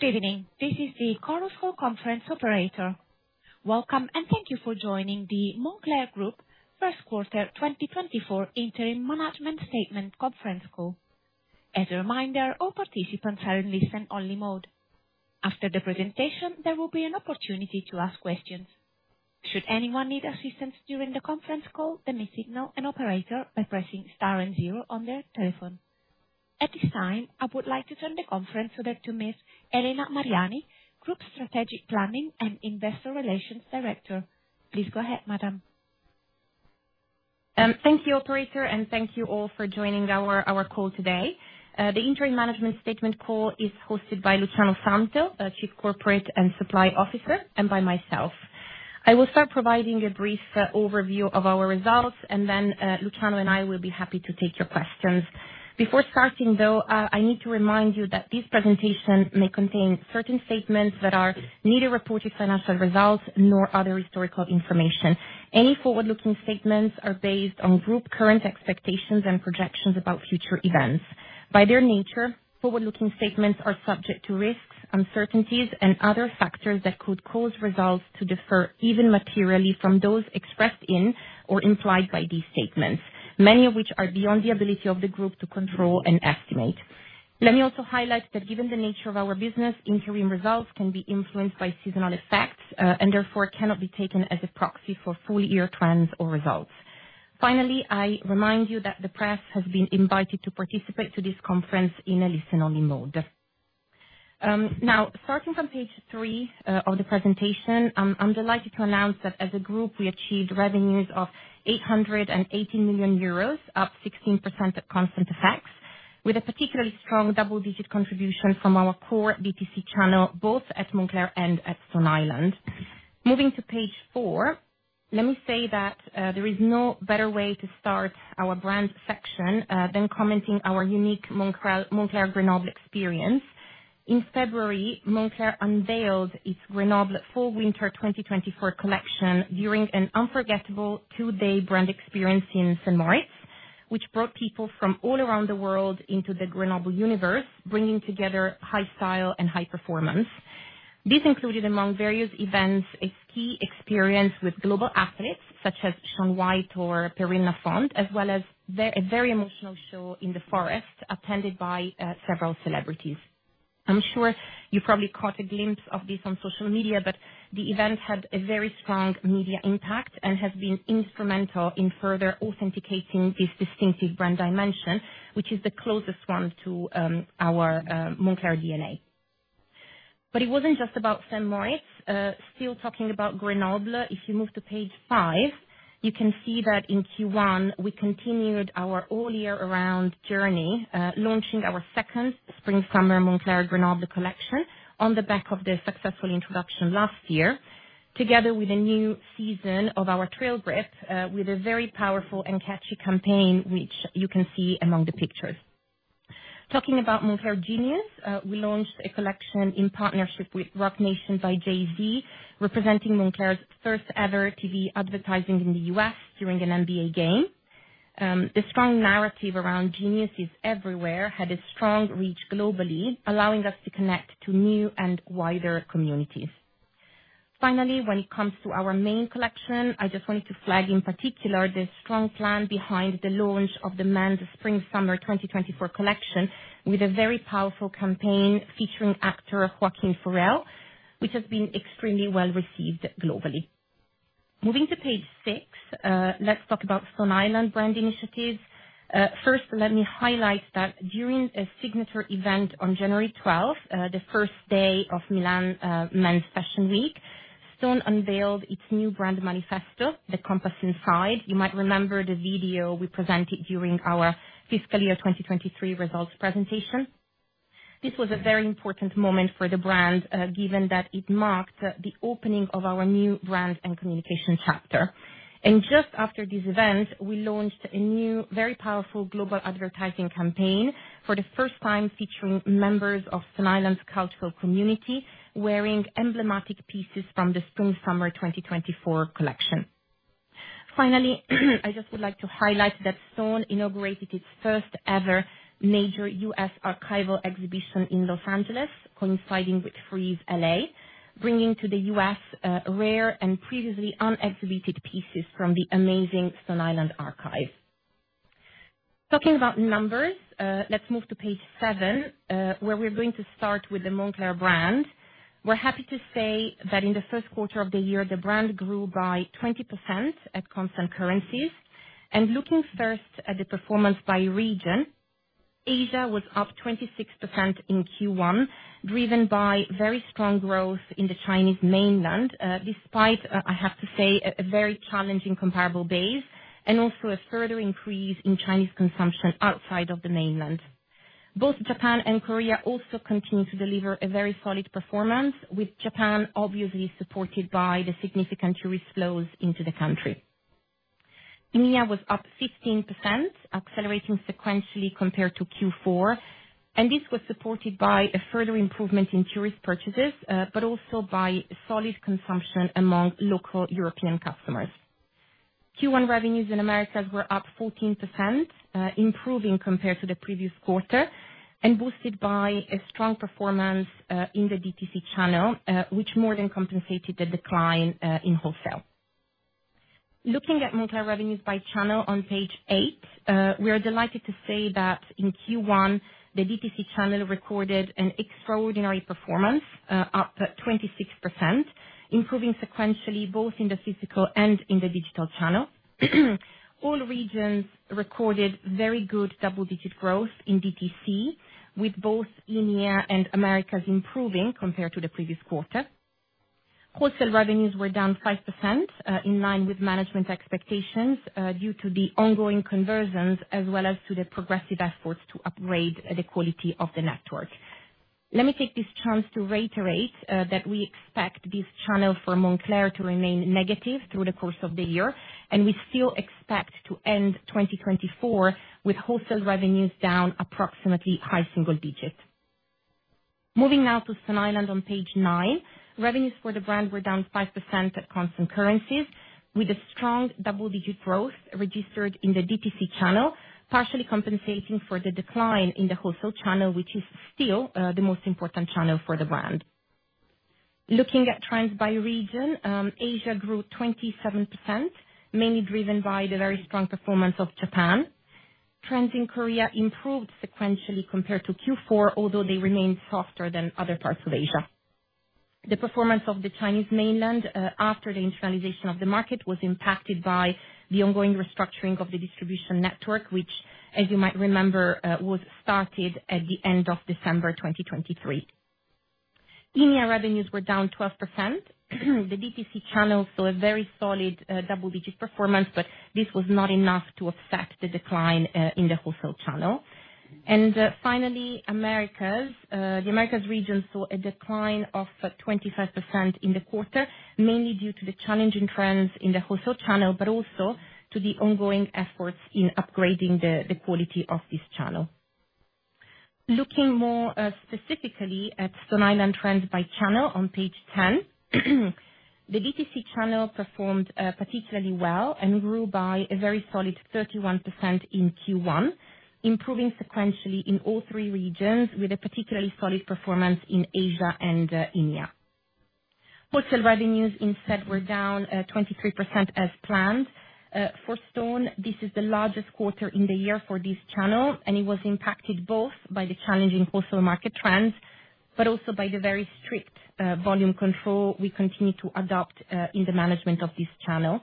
Good evening. This is the Chorus Call Conference Operator. Welcome, and thank you for joining the Moncler Group First Quarter 2024 Interim Management Statement Conference Call. As a reminder, all participants are in listen-only mode. After the presentation, there will be an opportunity to ask questions. Should anyone need assistance during the conference call, they may signal an operator by pressing star and zero on their telephone. At this time, I would like to turn the conference over to Ms. Elena Mariani, Group Strategic Planning and Investor Relations Director. Please go ahead, Madam. Thank you, Operator, and thank you all for joining our call today. The Interim Management Statement Call is hosted by Luciano Santel, Chief Corporate and Supply Officer, and by myself. I will start providing a brief overview of our results, and then Luciano and I will be happy to take your questions. Before starting, though, I need to remind you that this presentation may contain certain statements that are neither reported financial results nor other historical information. Any forward-looking statements are based on the Group's current expectations and projections about future events. By their nature, forward-looking statements are subject to risks, uncertainties, and other factors that could cause results to differ even materially from those expressed in or implied by these statements, many of which are beyond the ability of the Group to control and estimate. Let me also highlight that given the nature of our business, interim results can be influenced by seasonal effects and therefore cannot be taken as a proxy for full-year trends or results. Finally, I remind you that the press has been invited to participate to this conference in a listen-only mode. Now, starting from page 3 of the presentation, I'm delighted to announce that as a group, we achieved revenues of 818 million euros, up 16% at constant FX, with a particularly strong double-digit contribution from our core DTC channel both at Moncler and at Stone Island. Moving to page 4, let me say that there is no better way to start our brand section than commenting our unique Moncler Grenoble experience. In February, Moncler unveiled its Grenoble Fall/Winter 2024 collection during an unforgettable 2-day brand experience in St. Moritz. Moritz, which brought people from all around the world into the Grenoble universe, bringing together high style and high performance. This included, among various events, a ski experience with global athletes such as Shaun White or Perrine Laffont, as well as a very emotional show in the forest attended by several celebrities. I'm sure you probably caught a glimpse of this on social media, but the event had a very strong media impact and has been instrumental in further authenticating this distinctive brand dimension, which is the closest one to our Moncler DNA. But it wasn't just about St. Moritz. Still talking about Grenoble, if you move to page five, you can see that in Q1, we continued our all-year-round journey, launching our second Spring/Summer Moncler Grenoble collection on the back of the successful introduction last year, together with a new season of our Trailgrip with a very powerful and catchy campaign, which you can see among the pictures. Talking about Moncler Genius, we launched a collection in partnership with Roc Nation by Jay-Z, representing Moncler's first-ever TV advertising in the U.S. during an NBA game. The strong narrative around Genius is everywhere, had a strong reach globally, allowing us to connect to new and wider communities. Finally, when it comes to our main collection, I just wanted to flag in particular the strong plan behind the launch of the men's Spring/Summer 2024 collection with a very powerful campaign featuring actor Joaquin Phoenix, which has been extremely well received globally. Moving to page six, let's talk about Stone Island brand initiatives. First, let me highlight that during a signature event on January 12th, the first day of Milan Men's Fashion Week, Stone unveiled its new brand manifesto, The Compass Inside. You might remember the video we presented during our fiscal year 2023 results presentation. This was a very important moment for the brand, given that it marked the opening of our new brand and communication chapter. Just after this event, we launched a new, very powerful global advertising campaign for the first time featuring members of Stone Island's cultural community wearing emblematic pieces from the Spring/Summer 2024 collection. Finally, I just would like to highlight that Stone inaugurated its first-ever major U.S. archival exhibition in Los Angeles, coinciding with Frieze LA, bringing to the U.S. rare and previously unexhibited pieces from the amazing Stone Island archive. Talking about numbers, let's move to page seven, where we're going to start with the Moncler brand. We're happy to say that in the first quarter of the year, the brand grew by 20% at constant currencies. Looking first at the performance by region, Asia was up 26% in Q1, driven by very strong growth in the Chinese mainland, despite, I have to say, a very challenging comparable base and also a further increase in Chinese consumption outside of the mainland. Both Japan and Korea also continue to deliver a very solid performance, with Japan obviously supported by the significant tourist flows into the country. India was up 15%, accelerating sequentially compared to Q4. This was supported by a further improvement in tourist purchases but also by solid consumption among local European customers. Q1 revenues in America were up 14%, improving compared to the previous quarter and boosted by a strong performance in the DTC channel, which more than compensated the decline in wholesale. Looking at Moncler revenues by channel on page 8, we are delighted to say that in Q1, the DTC channel recorded an extraordinary performance, up 26%, improving sequentially both in the physical and in the digital channel. All regions recorded very good double-digit growth in DTC, with both India and America improving compared to the previous quarter. Wholesale revenues were down 5%, in line with management expectations due to the ongoing conversions as well as to the progressive efforts to upgrade the quality of the network. Let me take this chance to reiterate that we expect this channel for Moncler to remain negative through the course of the year, and we still expect to end 2024 with wholesale revenues down approximately high single digit. Moving now to Stone Island on page nine, revenues for the brand were down 5% at constant currencies, with a strong double-digit growth registered in the DTC channel, partially compensating for the decline in the wholesale channel, which is still the most important channel for the brand. Looking at trends by region, Asia grew 27%, mainly driven by the very strong performance of Japan. Trends in Korea improved sequentially compared to Q4, although they remained softer than other parts of Asia. The performance of the Chinese mainland after the internalization of the market was impacted by the ongoing restructuring of the distribution network, which, as you might remember, was started at the end of December 2023. India revenues were down 12%. The DTC channel saw a very solid double-digit performance, but this was not enough to offset the decline in the wholesale channel. Finally, the Americas region saw a decline of 25% in the quarter, mainly due to the challenging trends in the wholesale channel but also to the ongoing efforts in upgrading the quality of this channel. Looking more specifically at Stone Island trends by channel on page 10, the DTC channel performed particularly well and grew by a very solid 31% in Q1, improving sequentially in all three regions with a particularly solid performance in Asia and India. Wholesale revenues instead were down 23% as planned. For Stone, this is the largest quarter in the year for this channel, and it was impacted both by the challenging wholesale market trends but also by the very strict volume control we continue to adopt in the management of this channel.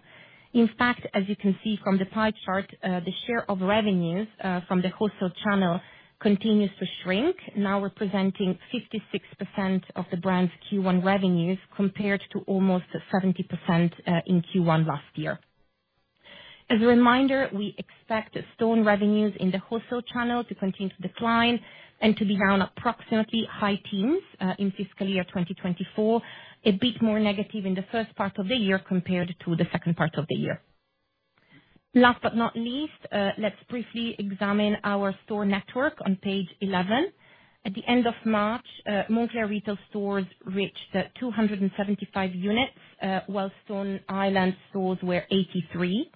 In fact, as you can see from the pie chart, the share of revenues from the wholesale channel continues to shrink, now representing 56% of the brand's Q1 revenues compared to almost 70% in Q1 last year. As a reminder, we expect Stone revenues in the wholesale channel to continue to decline and to be down approximately high teens in fiscal year 2024, a bit more negative in the first part of the year compared to the second part of the year. Last but not least, let's briefly examine our store network on page 11. At the end of March, Moncler retail stores reached 275 units, while Stone Island stores were 83.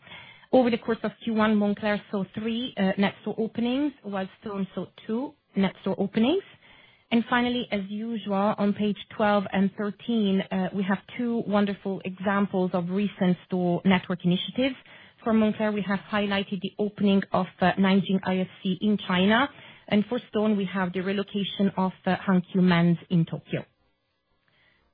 Over the course of Q1, Moncler saw 3 net store openings, while Stone saw 2 net store openings. Finally, as usual, on page 12 and 13, we have two wonderful examples of recent store network initiatives. For Moncler, we have highlighted the opening of Nanjing IFC in China. And for Stone, we have the relocation of Hankyu Men's in Tokyo.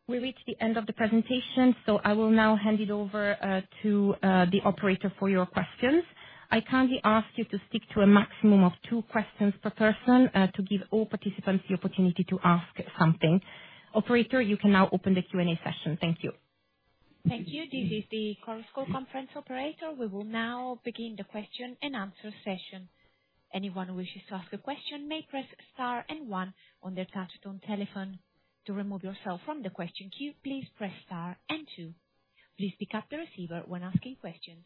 We reached the end of the presentation, so I will now hand it over to the operator for your questions. I kindly ask you to stick to a maximum of two questions per person to give all participants the opportunity to ask something. Operator, you can now open the Q&A session. Thank you. Thank you. This is the Chorus Call Conference Operator. We will now begin the question-and-answer session. Anyone who wishes to ask a question may press star and one on their touch-tone telephone. To remove yourself from the question queue, please press star and two. Please pick up the receiver when asking questions.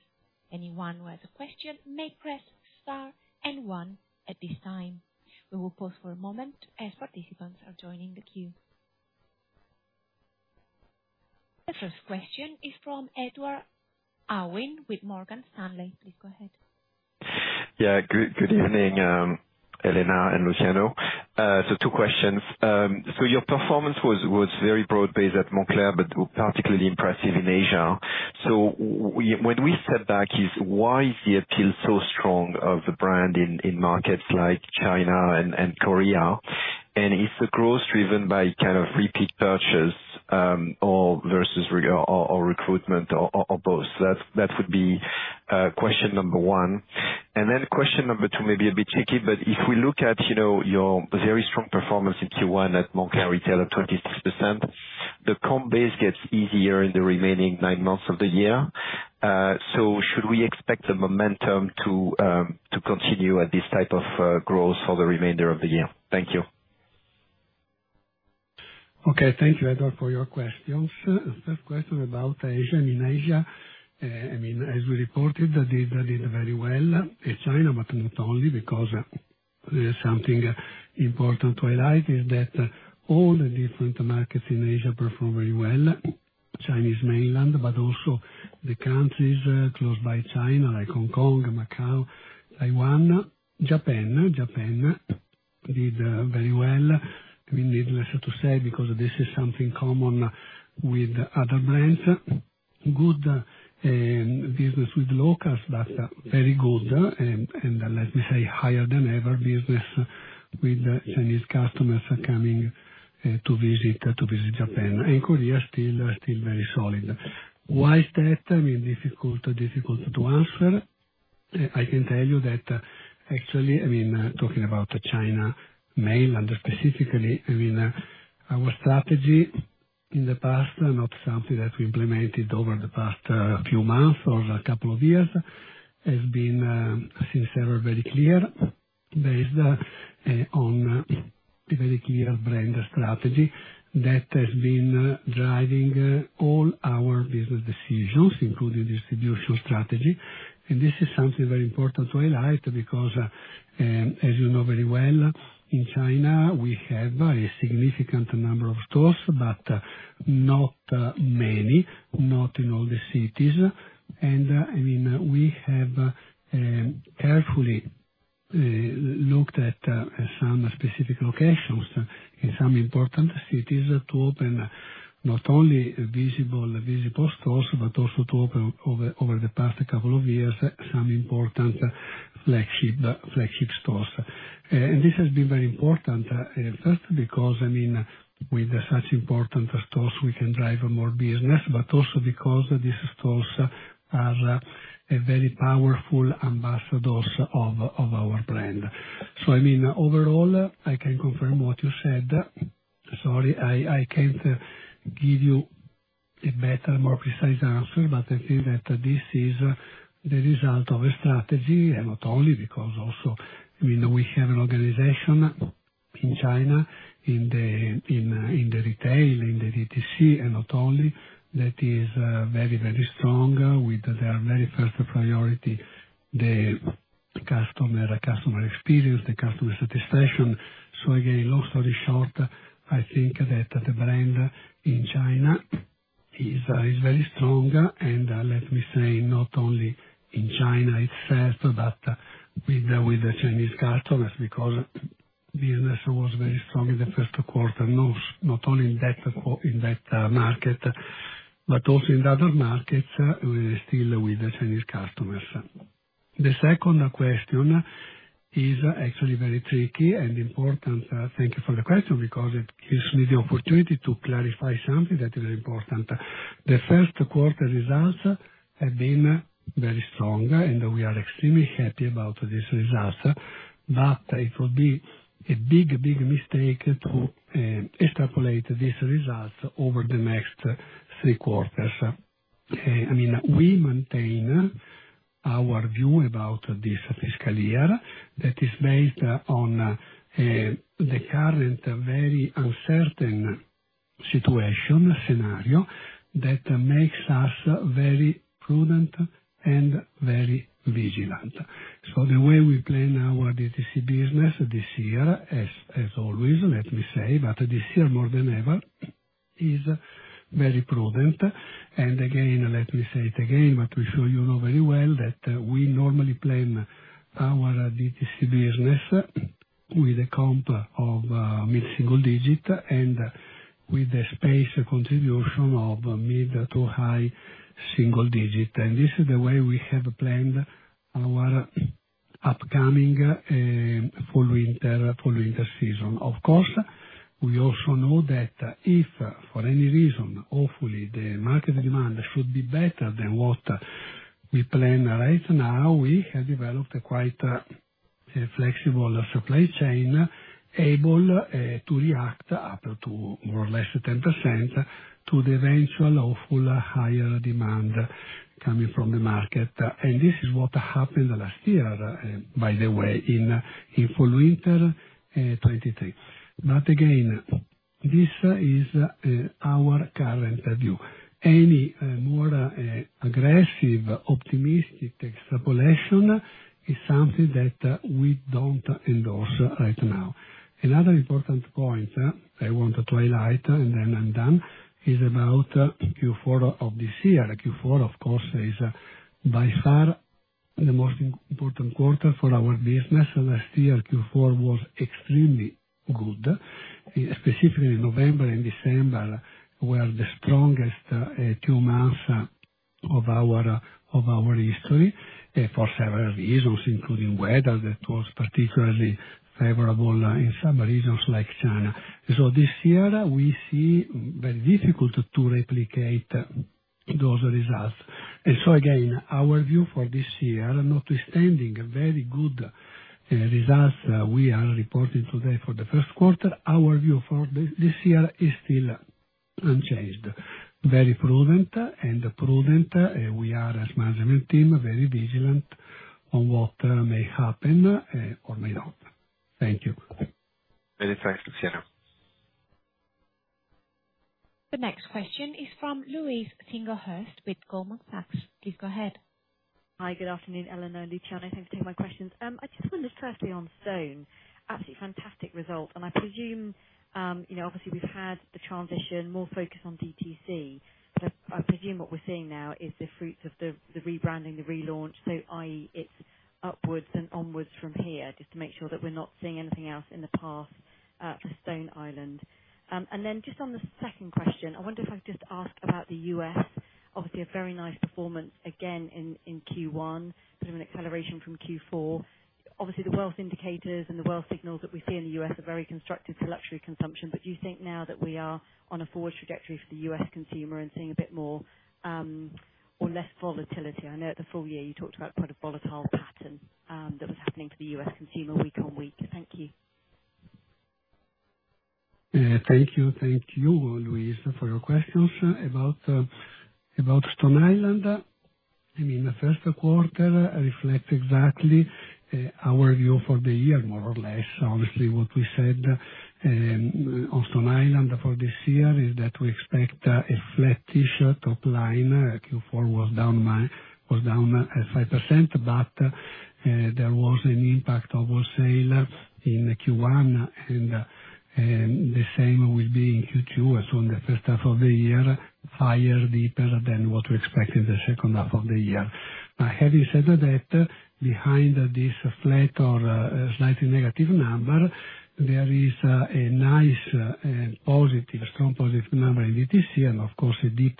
Anyone who has a question may press star and one at this time. We will pause for a moment as participants are joining the queue. The first question is from Edward Owen with Morgan Stanley. Please go ahead. Yeah. Good evening, Elena and Luciano. So two questions. So your performance was very broad-based at Moncler but particularly impressive in Asia. So when we step back, is why is the appeal so strong of the brand in markets like China and Korea? And is the growth driven by kind of repeat purchase versus recruitment or both? That would be question number one. And then question number two, maybe a bit tricky, but if we look at your very strong performance in Q1 at Moncler retail of 26%, the comp base gets easier in the remaining nine months of the year. So should we expect the momentum to continue at this type of growth for the remainder of the year? Thank you. Okay. Thank you, Edward, for your questions. First question about Asia. I mean, as we reported, they did very well in China, but not only, because there's something important to highlight is that all the different markets in Asia perform very well, Chinese mainland, but also the countries close by China like Hong Kong, Macau, Taiwan. Japan, Japan did very well. I mean, needless to say, because this is something common with other brands. Good business with locals, but very good, and let me say higher than ever business with Chinese customers coming to visit Japan. And Korea is still very solid. Why is that? I mean, difficult to answer. I can tell you that actually, I mean, talking about China mainland specifically, I mean, our strategy in the past, not something that we implemented over the past few months or a couple of years, has been since ever very clear, based on a very clear brand strategy that has been driving all our business decisions, including distribution strategy. This is something very important to highlight because, as you know very well, in China, we have a significant number of stores but not many, not in all the cities. I mean, we have carefully looked at some specific locations in some important cities to open not only visible stores but also to open, over the past couple of years, some important flagship stores. This has been very important, first because, I mean, with such important stores, we can drive more business, but also because these stores are very powerful ambassadors of our brand. I mean, overall, I can confirm what you said. Sorry, I can't give you a better, more precise answer, but I think that this is the result of a strategy, and not only because also, I mean, we have an organization in China, in the retail, in the DTC, and not only, that is very, very strong with their very first priority, the customer experience, the customer satisfaction. So again, long story short, I think that the brand in China is very strong, and let me say not only in China itself but with the Chinese customers because business was very strong in the first quarter, not only in that market but also in the other markets, still with the Chinese customers. The second question is actually very tricky and important. Thank you for the question because it gives me the opportunity to clarify something that is very important. The first quarter results have been very strong, and we are extremely happy about these results, but it would be a big, big mistake to extrapolate these results over the next three quarters. I mean, we maintain our view about this fiscal year that is based on the current very uncertain situation, scenario, that makes us very prudent and very vigilant. So the way we plan our DTC business this year, as always, let me say, but this year more than ever, is very prudent. And again, let me say it again, but I'm sure you know very well that we normally plan our DTC business with a comp of mid-single digit and with a space contribution of mid to high single digit. And this is the way we have planned our upcoming Fall/Winter season. Of course, we also know that if, for any reason, hopefully, the market demand should be better than what we plan right now, we have developed a quite flexible supply chain able to react up to more or less 10% to the eventual hopeful higher demand coming from the market. And this is what happened last year, by the way, in Fall/Winter 2023. But again, this is our current view. Any more aggressive, optimistic extrapolation is something that we don't endorse right now. Another important point I wanted to highlight, and then I'm done, is about Q4 of this year. Q4, of course, is by far the most important quarter for our business. Last year, Q4 was extremely good, specifically November and December were the strongest two months of our history for several reasons, including weather that was particularly favorable in some regions like China. So this year, we see very difficult to replicate those results. And so again, our view for this year, notwithstanding very good results we are reporting today for the first quarter, our view for this year is still unchanged, very prudent, and prudent. We are as management team very vigilant on what may happen or may not. Thank you. Very thanks, Luciano. The next question is from Louise Singerhurst with Goldman Sachs. Please go ahead. Hi. Good afternoon, Elena and Luciano. Thanks for taking my questions. I just wondered, firstly, on Stone, absolutely fantastic result, and I presume, obviously, we've had the transition, more focus on DTC, but I presume what we're seeing now is the fruits of the rebranding, the relaunch, so i.e., it's upwards and onwards from here, just to make sure that we're not seeing anything else in the path for Stone Island. And then just on the second question, I wonder if I could just ask about the U.S. Obviously, a very nice performance, again, in Q1, put them in acceleration from Q4. Obviously, the wealth indicators and the wealth signals that we see in the U.S. are very constructive to luxury consumption, but do you think now that we are on a forward trajectory for the U.S. consumer and seeing a bit more or less volatility? I know at the full year, you talked about quite a volatile pattern that was happening for the U.S. consumer week-over-week. Thank you. Thank you. Thank you, Louise, for your questions about Stone Island. I mean, the first quarter reflects exactly our view for the year, more or less. Obviously, what we said on Stone Island for this year is that we expect a flattish top line. Q4 was down 5%, but there was an impact of wholesale in Q1, and the same will be in Q2, so in the first half of the year, higher, deeper than what we expect in the second half of the year. Having said that, behind this flat or slightly negative number, there is a nice positive, strong positive number in DTC and, of course, a deep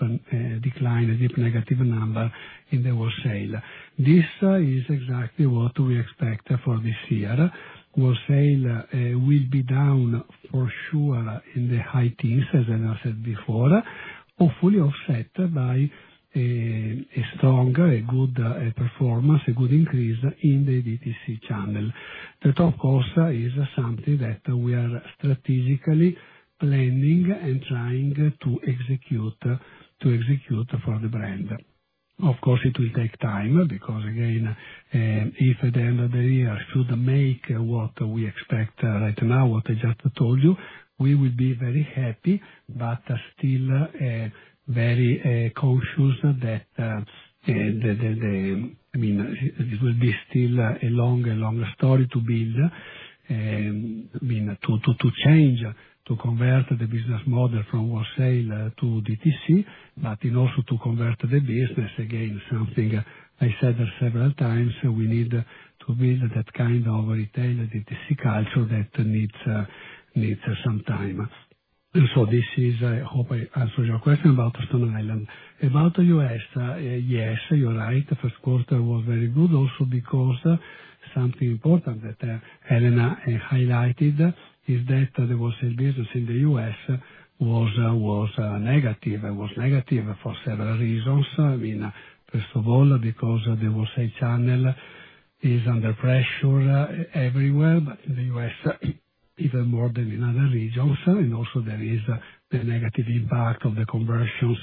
decline, a deep negative number in the wholesale. This is exactly what we expect for this year. Wholesale will be down for sure in the high teens, as Elena said before, hopefully offset by a strong, good performance, good increase in the DTC channel. That, of course, is something that we are strategically planning and trying to execute for the brand. Of course, it will take time because, again, if at the end of the year should make what we expect right now, what I just told you, we will be very happy but still very conscious that, I mean, it will be still a longer, longer story to build, I mean, to change, to convert the business model from wholesale to DTC, but also to convert the business, again, something I said several times, we need to build that kind of retail DTC culture that needs some time. And so this is, I hope, I answered your question about Stone Island. About the US, yes, you're right. First quarter was very good also because something important that Elena highlighted is that the wholesale business in the US was negative. It was negative for several reasons. I mean, first of all, because the wholesale channel is under pressure everywhere, but in the US, even more than in other regions, and also there is the negative impact of the conversions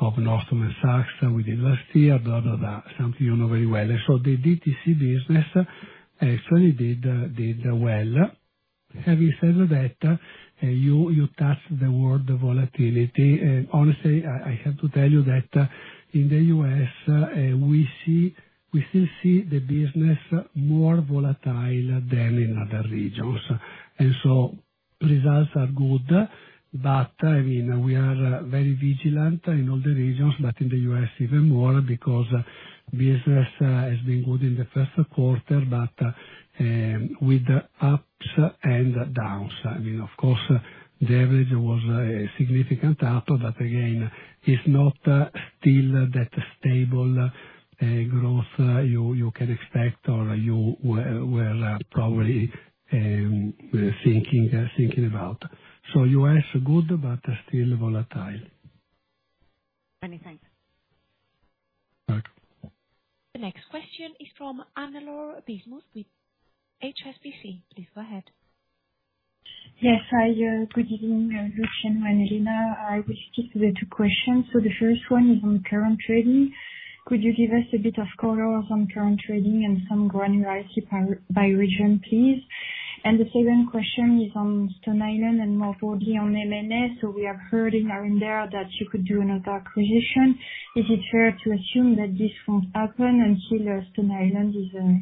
of Neiman Marcus within last year, blah, blah, blah, something you know very well. And so the DTC business actually did well. Having said that, you touched the word volatility. Honestly, I have to tell you that in the US, we still see the business more volatile than in other regions. And so results are good, but I mean, we are very vigilant in all the regions, but in the U.S., even more because business has been good in the first quarter but with ups and downs. I mean, of course, the average was a significant up, but again, it's not still that stable growth you can expect or you were probably thinking about. So U.S. good but still volatile. Many thanks. Thank you. The next question is from Annelore Bismuth with HSBC. Please go ahead. Yes. Good evening, Luciano and Elena. I will speak to the two questions. So the first one is on current trading. Could you give us a bit of colors on current trading and some granularity by region, please? And the second question is on Stone Island and more broadly on M&A, so we are hearing here and there that you could do another acquisition. Is it fair to assume that this won't happen until Stone Island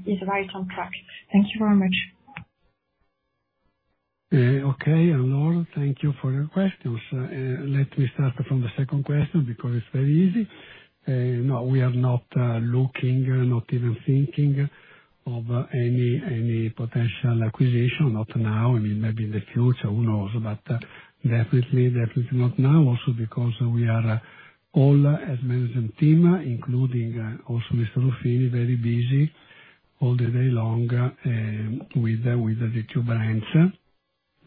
is right on track? Thank you very much. Okay, Anelor. Thank you for your questions. Let me start from the second question because it's very easy. No, we are not looking, not even thinking of any potential acquisition, not now. I mean, maybe in the future, who knows, but definitely, definitely not now also because we are all, as management team, including also Mr. Ruffini, very busy all the day long with the two brands,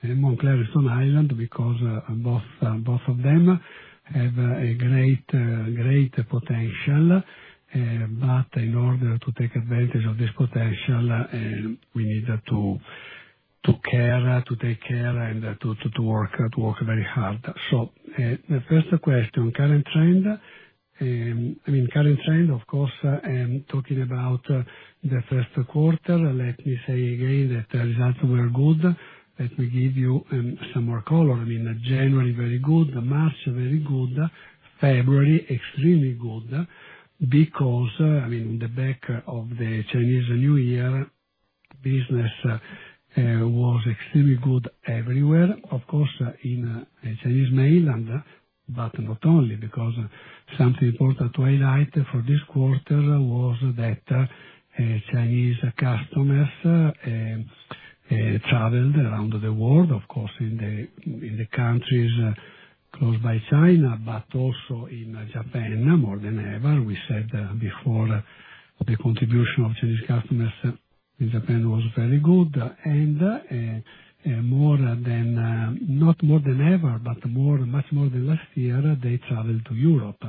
Moncler and Stone Island, because both of them have a great potential. But in order to take advantage of this potential, we need to care, to take care, and to work very hard. So the first question, current trend. I mean, current trend, of course, I'm talking about the first quarter. Let me say again that the results were good. Let me give you some more color. I mean, January very good, March very good, February extremely good because, I mean, on the back of the Chinese New Year, business was extremely good everywhere, of course, in Chinese mainland, but not only because something important to highlight for this quarter was that Chinese customers traveled around the world, of course, in the countries close by China but also in Japan more than ever. We said before the contribution of Chinese customers in Japan was very good, and not more than ever but much more than last year, they traveled to Europe.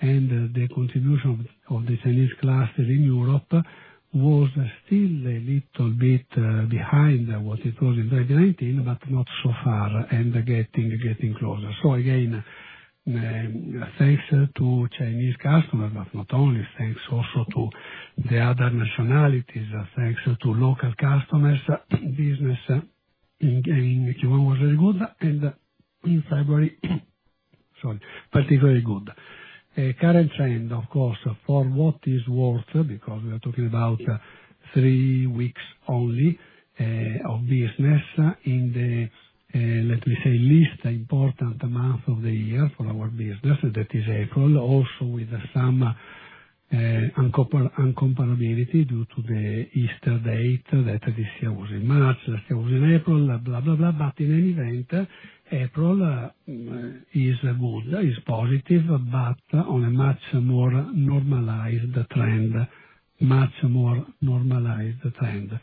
The contribution of the Chinese cluster in Europe was still a little bit behind what it was in 2019 but not so far and getting closer. So again, thanks to Chinese customers but not only, thanks also to the other nationalities, thanks to local customers, business in Q1 was very good, and in February, particularly good. Current trend, of course, for what is worth because we are talking about three weeks only of business in the, let me say, least important month of the year for our business, that is April, also with some uncomparability due to the Easter date that this year was in March, last year was in April, blah, blah, blah, but in any event, April is good, is positive, but on a much more normalized trend, much more normalized trend.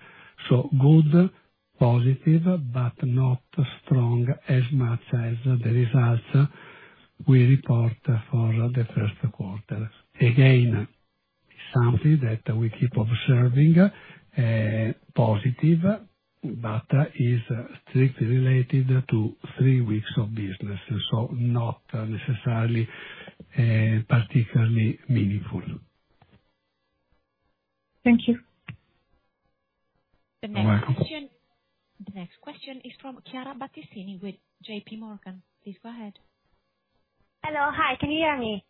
So good, positive, but not strong as much as the results we report for the first quarter. Again, something that we keep observing, positive, but is strictly related to three weeks of business, so not necessarily particularly meaningful. Thank you. The next question is from Chiara Battistini with JP Morgan. Please go ahead. Hello. Hi. Can you hear me?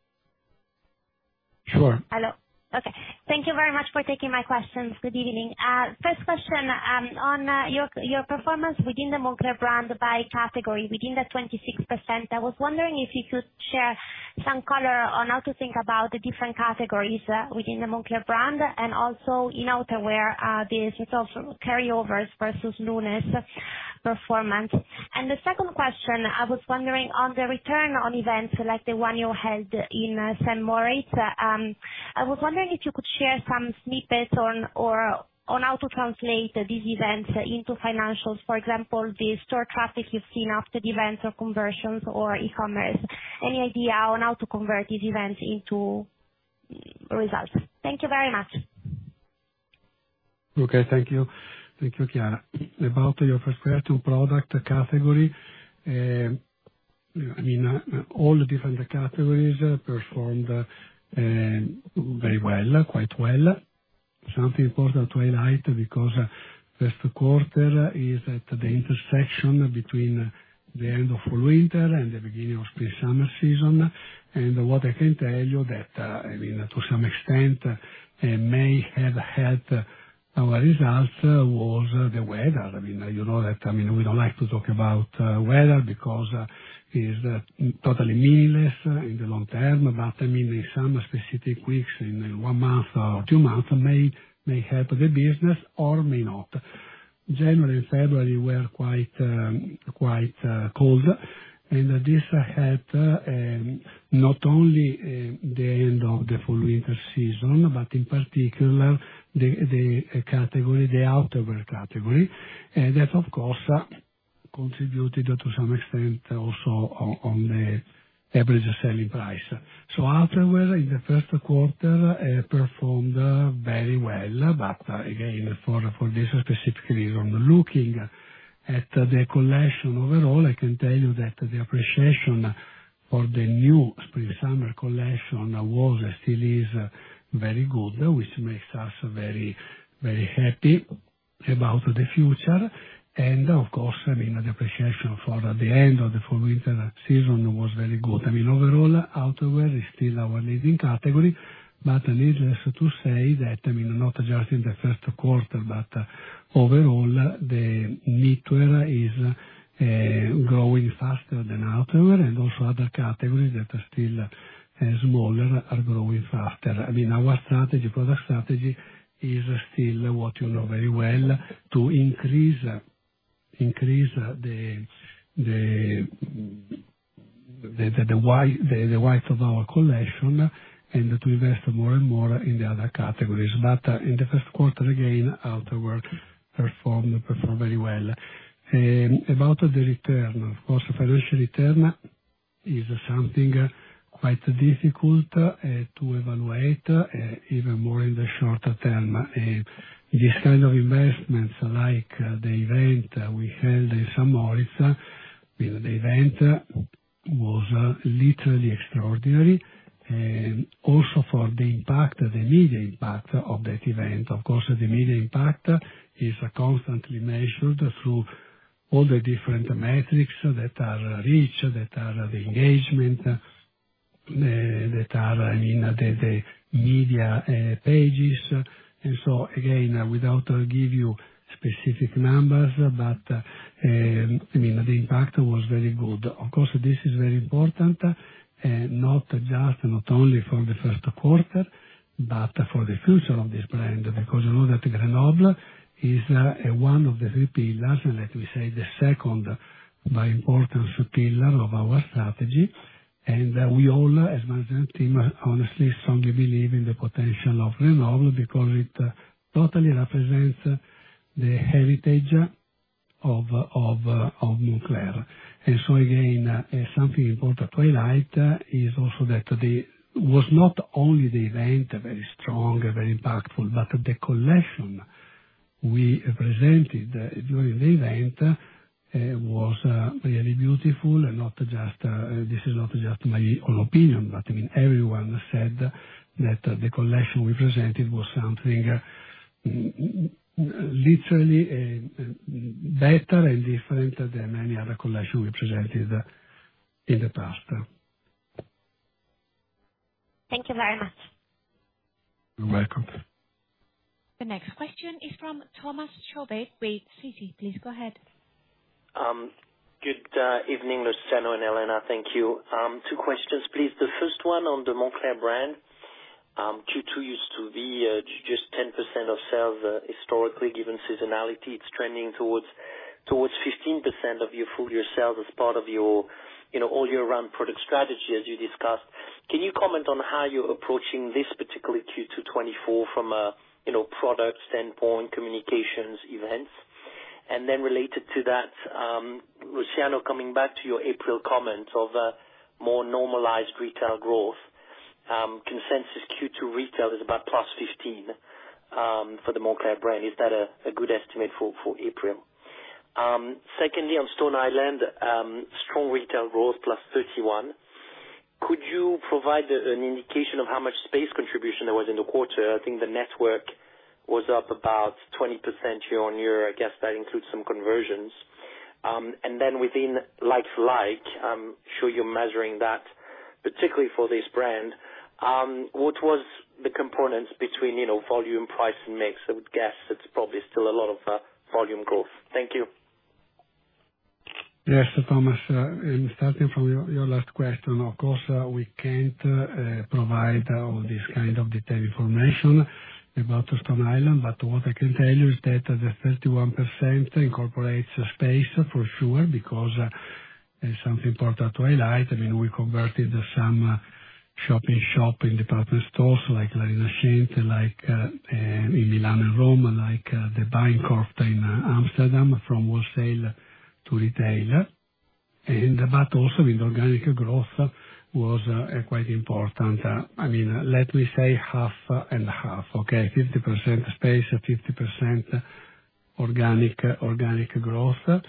Sure. Hello. Okay. Thank you very much for taking my questions. Good evening. First question, on your performance within the Moncler brand by category, within the 26%, I was wondering if you could share some color on how to think about the different categories within the Moncler brand and also in Outerwear, these sort of carryovers versus new ones performance. And the second question, I was wondering, on the return on events like the one you held in St. Moritz, I was wondering if you could share some snippets on how to translate these events into financials. For example, the store traffic you've seen after the events or conversions or e-commerce. Any idea on how to convert these events into results? Thank you very much. Okay. Thank you. Thank you, Chiara. About your first question, product category, I mean, all the different categories performed very well, quite well. Something important to highlight because first quarter is at the intersection between the end of Fall/Winter and the beginning of spring-summer season, and what I can tell you that, I mean, to some extent, may have helped our results was the weather. I mean, you know that, I mean, we don't like to talk about weather because it's totally meaningless in the long term, but I mean, in some specific weeks, in one month or two months, may help the business or may not. January and February were quite cold, and this helped not only the end of the Fall/Winter season but in particular the outerwear category that, of course, contributed to some extent also on the average selling price. So outerwear in the first quarter performed very well, but again, for this specific reason. Looking at the collection overall, I can tell you that the appreciation for the new spring-summer collection still is very good, which makes us very happy about the future, and of course, I mean, the appreciation for the end of the Fall/Winter season was very good. I mean, overall, outerwear is still our leading category, but needless to say that, I mean, not just in the first quarter but overall, the knitwear is growing faster than outerwear, and also other categories that are still smaller are growing faster. I mean, our product strategy is still what you know very well, to increase the width of our collection and to invest more and more in the other categories, but in the first quarter, again, outerwear performed very well. About the return, of course, financial return is something quite difficult to evaluate, even more in the short term. This kind of investments like the event we held in St. Moritz, I mean, the event was literally extraordinary, also for the impact, the media impact of that event. Of course, the media impact is constantly measured through all the different metrics that are reach, that are the engagement, that are, I mean, the media pages, and so again, without giving you specific numbers, but I mean, the impact was very good. Of course, this is very important, not only for the first quarter but for the future of this brand because you know that Grenoble is one of the three pillars, and let me say the second by importance pillar of our strategy, and we all, as management team, honestly, strongly believe in the potential of Grenoble because it totally represents the heritage of Moncler. And so again, something important to highlight is also that it was not only the event very strong, very impactful, but the collection we presented during the event was really beautiful, and this is not just my own opinion, but I mean, everyone said that the collection we presented was something literally better and different than many other collections we presented in the past. Thank you very much. You're welcome. The next question is from Thomas Chobe with Citi. Please go ahead. Good evening, Luciano and Elena. Thank you. Two questions, please. The first one on the Moncler brand. Q2 used to be just 10% of sales historically given seasonality. It's trending towards 15% of your full year sales as part of all year-round product strategy, as you discussed. Can you comment on how you're approaching this particular Q2 2024 from a product standpoint, communications, events? And then related to that, Luciano, coming back to your April comments of more normalized retail growth, consensus Q2 retail is about +15% for the Moncler brand. Is that a good estimate for April? Secondly, on Stone Island, strong retail growth, +31%. Could you provide an indication of how much space contribution there was in the quarter? I think the network was up about 20% year on year. I guess that includes some conversions. Then within like-for-like, I'm sure you're measuring that particularly for this brand. What was the components between volume, price, and mix? I would guess it's probably still a lot of volume growth. Thank you. Yes, Thomas. Starting from your last question, of course, we can't provide all this kind of detailed information about Stone Island, but what I can tell you is that the 31% incorporates space for sure because something important to highlight, I mean, we converted some shopping shop in department stores like La Rinascente, in Milan and Rome, like the Bijenkorf in Amsterdam from wholesale to retail, but also I mean, the organic growth was quite important. I mean, let me say half and half, okay? 50% space, 50% organic growth.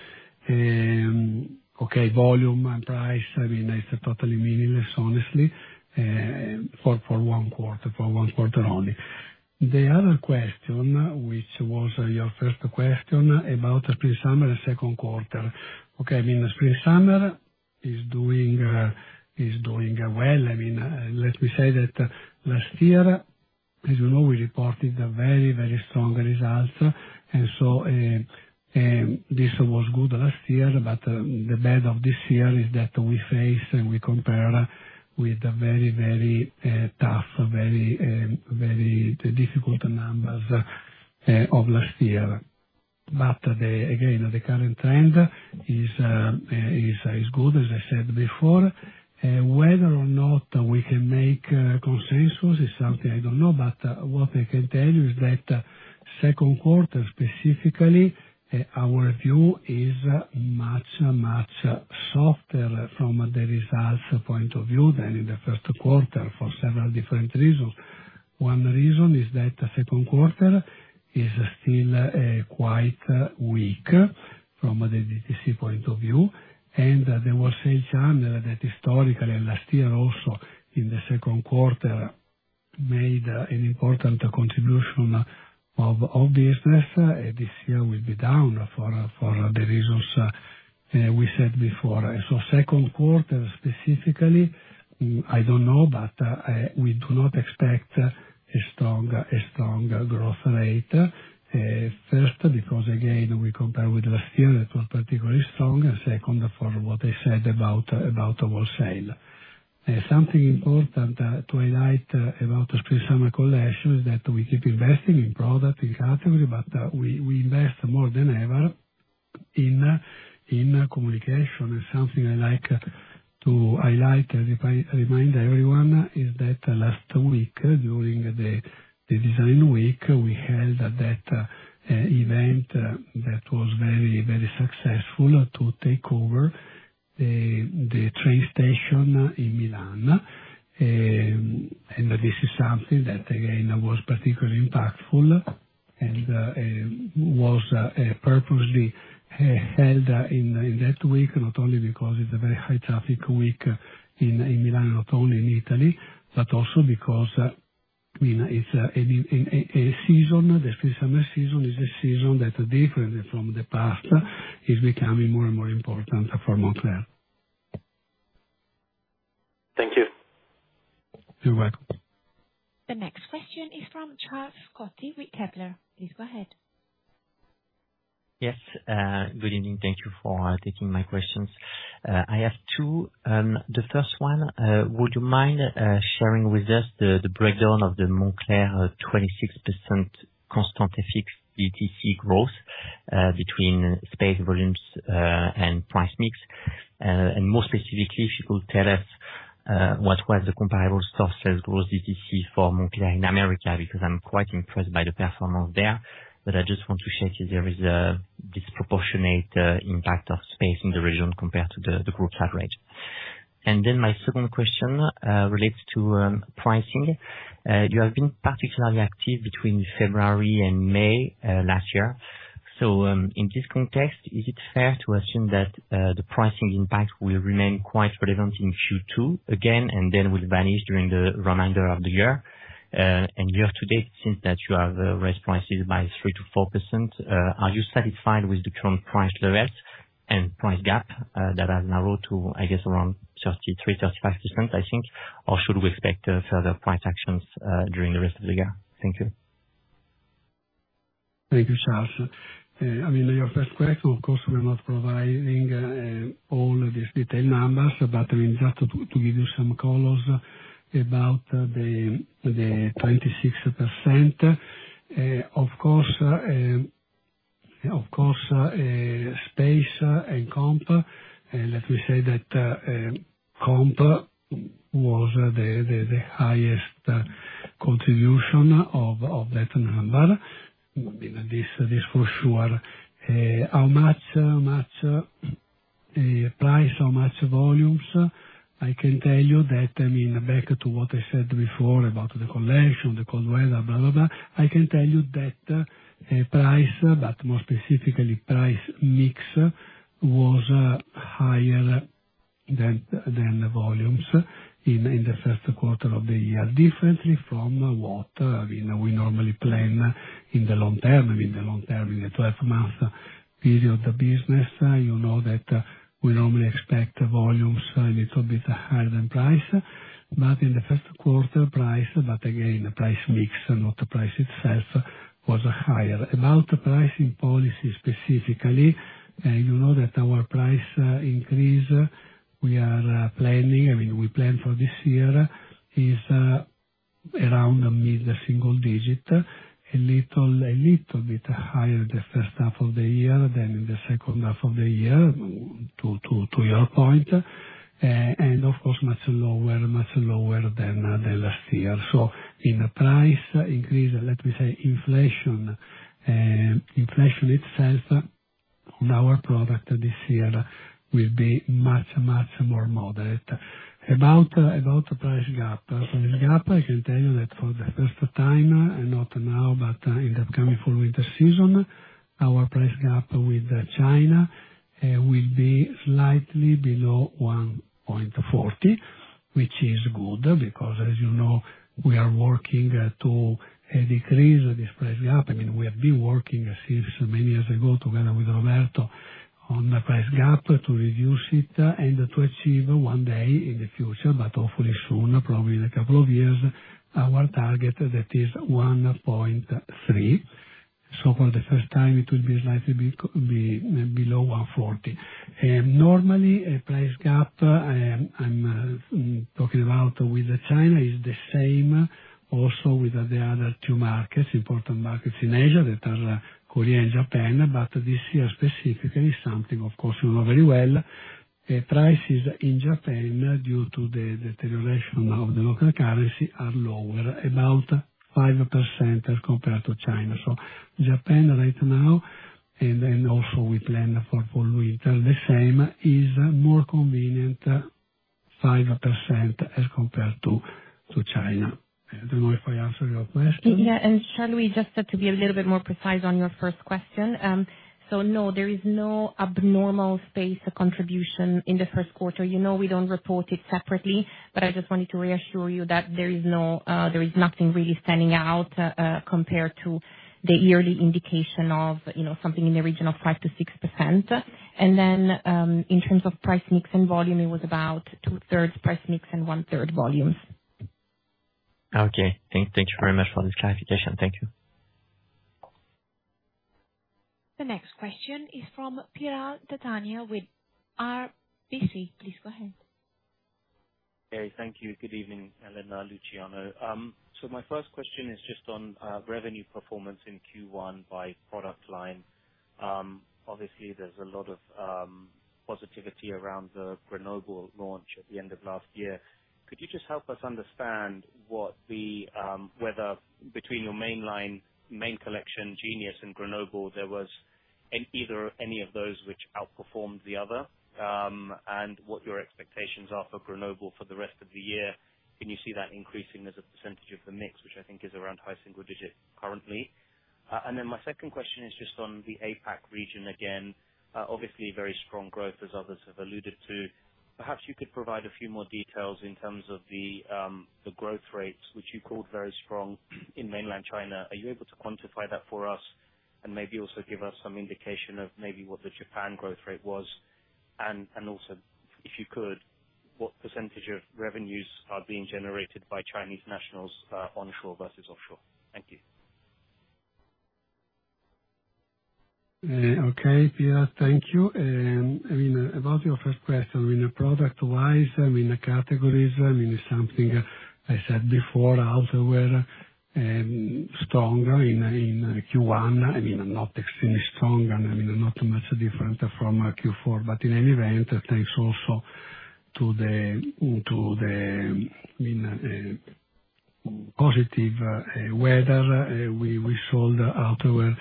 Okay, volume and price, I mean, it's totally meaningless, honestly, for one quarter, for one quarter only. The other question, which was your first question, about spring-summer and second quarter. Okay, I mean, spring-summer is doing well. I mean, let me say that last year, as you know, we reported very, very strong results, and so this was good last year, but the bad of this year is that we face and we compare with very, very tough, very difficult numbers of last year. But again, the current trend is good, as I said before. Whether or not we can make consensus is something I don't know, but what I can tell you is that second quarter specifically, our view is much, much softer from the results point of view than in the first quarter for several different reasons. One reason is that second quarter is still quite weak from the DTC point of view, and the wholesale channel that historically and last year also in the second quarter made an important contribution of business, this year will be down for the reasons we said before. And so second quarter specifically, I don't know, but we do not expect a strong growth rate. First, because again, we compare with last year that was particularly strong, and second, for what I said about wholesale. Something important to highlight about spring-summer collection is that we keep investing in product, in category, but we invest more than ever in communication. Something I like to highlight and remind everyone is that last week, during the design week, we held that event that was very, very successful to take over the train station in Milan, and this is something that again was particularly impactful and was purposely held in that week, not only because it's a very high-traffic week in Milan, not only in Italy, but also because I mean, it's a season; the spring-summer season is a season that, different from the past, is becoming more and more important for Moncler. Thank you. You're welcome. The next question is from Charles Scotti with Kepler. Please go ahead. Yes. Good evening. Thank you for taking my questions. I have two. The first one, would you mind sharing with us the breakdown of the Moncler 26% constant FX DTC growth between space, volumes, and price mix? And more specifically, if you could tell us what was the comparable store sales growth DTC for Moncler in America because I'm quite impressed by the performance there, but I just want to share that there is a disproportionate impact of space in the region compared to the group average. And then my second question relates to pricing. You have been particularly active between February and May last year. So in this context, is it fair to assume that the pricing impact will remain quite relevant in Q2 again and then will vanish during the remainder of the year? Year-todate, since you have raised prices by 3%-4%, are you satisfied with the current price levels and price gap that has narrowed to, I guess, around 30%-35%, I think, or should we expect further price actions during the rest of the year? Thank you. Thank you, Charles. I mean, your first question, of course, we're not providing all these detailed numbers, but I mean, just to give you some colors about the 26%. Of course, space and comp, let me say that comp was the highest contribution of that number. I mean, this for sure. How much price, how much volumes? I can tell you that, I mean, back to what I said before about the collection, the cold weather, blah, blah, blah. I can tell you that price, but more specifically price mix, was higher than volumes in the first quarter of the year, differently from what we normally plan in the long term. I mean, the long term, in the 12-month period of the business, you know that we normally expect volumes a little bit higher than price, but in the first quarter, price, but again, price mix, not the price itself, was higher. About pricing policy specifically, you know that our price increase we are planning, I mean, we plan for this year, is around mid-single digit, a little bit higher in the first half of the year than in the second half of the year, to your point, and of course, much lower than last year. So in price increase, let me say inflation itself on our product this year will be much, much more moderate. About price gap, price gap, I can tell you that for the first time, not now, but in the upcoming Fall/Winter season, our price gap with China will be slightly below 1.40, which is good because, as you know, we are working to decrease this price gap. I mean, we have been working since many years ago together with Roberto on the price gap to reduce it and to achieve one day in the future, but hopefully soon, probably in a couple of years, our target that is 1.3. So for the first time, it will be slightly below 1.40. Normally, price gap I'm talking about with China is the same also with the other two markets, important markets in Asia that are Korea and Japan, but this year specifically something, of course, you know very well, prices in Japan due to the deterioration of the local currency are lower, about 5% as compared to China. So Japan right now, and also we plan for Fall/Winter, the same is more convenient, 5% as compared to China. Do you know if I answered your question? Yeah. And Charlie, just to be a little bit more precise on your first question, so no, there is no abnormal space contribution in the first quarter. You know we don't report it separately, but I just wanted to reassure you that there is nothing really standing out compared to the yearly indication of something in the region of 5%-6%. And then in terms of price mix and volume, it was about two-thirds price mix and one-third volumes. Okay. Thank you very much for this clarification. Thank you. The next question is from Piral Dadhania with RBC. Please go ahead. Thank you. Good evening, Elena, Luciano. My first question is just on revenue performance in Q1 by product line. Obviously, there's a lot of positivity around the Grenoble launch at the end of last year. Could you just help us understand whether between your main line, main collection, Genius, and Grenoble, there was either any of those which outperformed the other and what your expectations are for Grenoble for the rest of the year? Can you see that increasing as a percentage of the mix, which I think is around high single digit currently? My second question is just on the APAC region again. Obviously, very strong growth, as others have alluded to. Perhaps you could provide a few more details in terms of the growth rates, which you called very strong in mainland China. Are you able to quantify that for us and maybe also give us some indication of maybe what the Japan growth rate was? And also, if you could, what percentage of revenues are being generated by Chinese nationals onshore versus offshore? Thank you. Okay, Pierra. Thank you. I mean, about your first question, I mean, product-wise, I mean, categories, I mean, it's something I said before, Outerwear strong in Q1. I mean, not extremely strong and I mean, not much different from Q4. But in any event, thanks also to the, I mean, positive weather, we sold Alta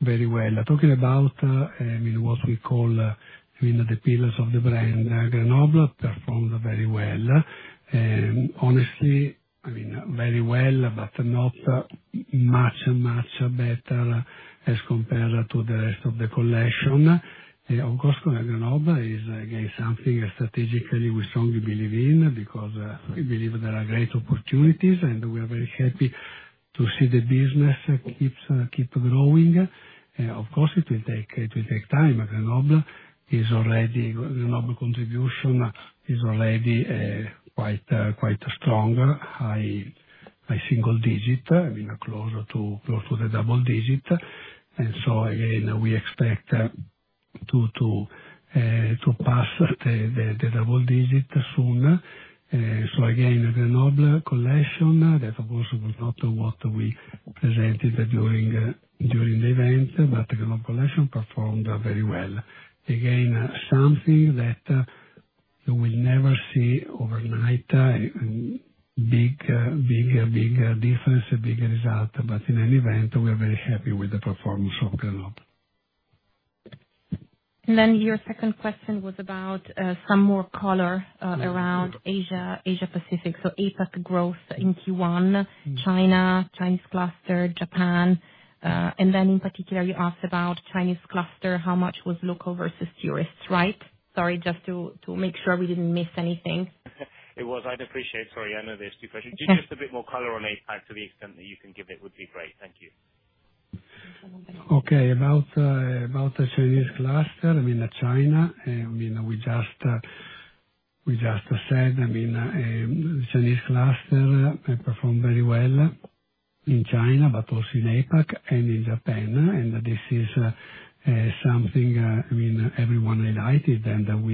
very well. Talking about, I mean, what we call, I mean, the pillars of the brand, Grenoble performed very well. Honestly, I mean, very well, but not much, much better as compared to the rest of the collection. Of course, Grenoble is, again, something strategically we strongly believe in because we believe there are great opportunities and we are very happy to see the business keep growing. Of course, it will take time. Grenoble contribution is already quite strong, high single digit, I mean, close to the double digit. So again, we expect to pass the double digit soon. So again, Grenoble collection that, of course, was not what we presented during the event, but Grenoble collection performed very well. Again, something that you will never see overnight, big difference, big result, but in any event, we are very happy with the performance of Grenoble. And then your second question was about some more color around Asia-Pacific, so APAC growth in Q1, China, Chinese cluster, Japan. And then in particular, you asked about Chinese cluster, how much was local versus tourists, right? Sorry, just to make sure we didn't miss anything. It was. I'd appreciate, sorry, I know there's two questions. Just a bit more color on APAC to the extent that you can give it would be great. Thank you. Okay. About the Chinese cluster, I mean, China, I mean, we just said, I mean, the Chinese cluster performed very well in China, but also in APAC and in Japan. And this is something, I mean, everyone highlighted and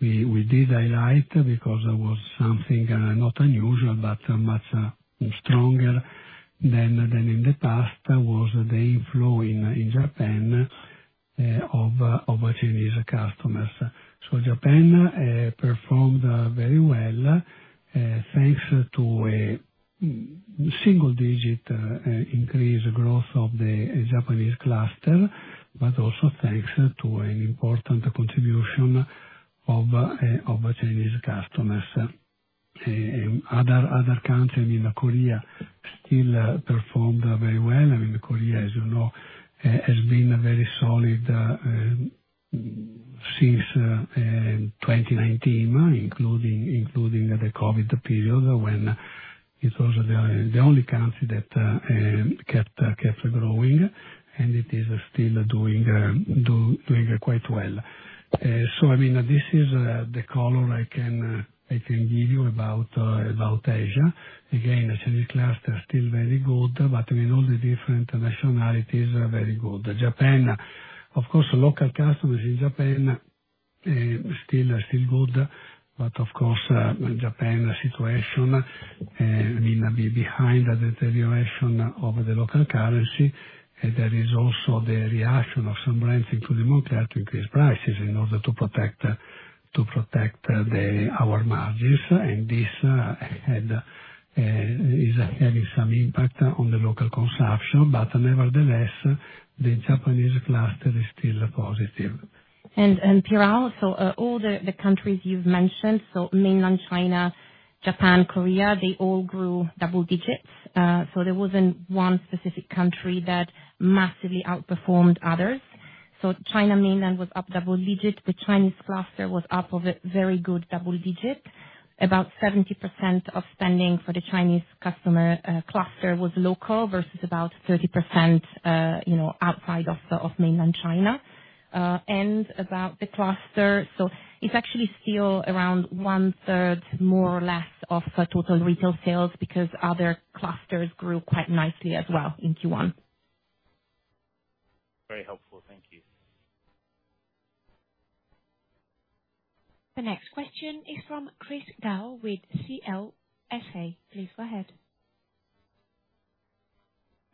we did highlight because there was something not unusual, but much stronger than in the past was the inflow in Japan of Chinese customers. So Japan performed very well thanks to a single digit increase growth of the Japanese cluster, but also thanks to an important contribution of Chinese customers. Other countries, I mean, Korea still performed very well. I mean, Korea, as you know, has been very solid since 2019, including the COVID period when it was the only country that kept growing, and it is still doing quite well. So I mean, this is the color I can give you about Asia. Again, the Chinese cluster is still very good, but I mean, all the different nationalities are very good. Japan, of course, local customers in Japan are still good, but of course, Japan situation, I mean, behind the deterioration of the local currency, there is also the reaction of some brands, including Moncler, to increase prices in order to protect our margins, and this is having some impact on the local consumption. But nevertheless, the Japanese cluster is still positive. Pierra, all the countries you've mentioned, so mainland China, Japan, Korea, they all grew double digits. There wasn't one specific country that massively outperformed others. China mainland was up double digit, the Chinese cluster was up a very good double digit. About 70% of spending for the Chinese customer cluster was local versus about 30% outside of mainland China. About the cluster, it's actually still around one-third more or less of total retail sales because other clusters grew quite nicely as well in Q1. Very helpful. Thank you. The next question is from Chris Gao with CLSA. Please go ahead.